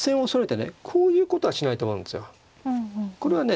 これはね